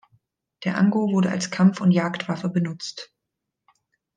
Der Ango wurde als Kampf- und Jagdwaffe benutzt.